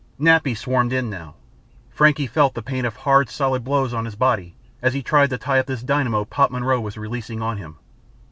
Nappy swarmed in now. Frankie felt the pain of hard, solid blows on his body as he tried to tie up this dynamo Poppy Monroe was releasing on him.